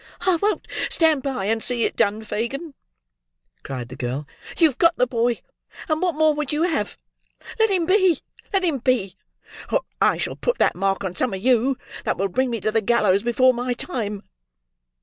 "I won't stand by and see it done, Fagin," cried the girl. "You've got the boy, and what more would you have?—Let him be—let him be—or I shall put that mark on some of you, that will bring me to the gallows before my time."